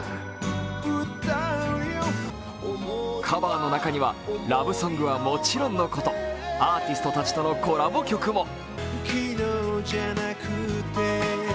カバーの中にはラブソングはもちろんのことアーティストたちとのコラボ曲も。